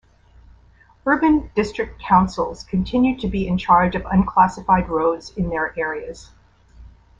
Urban district councils continued to be in charge of unclassified roads in their areas.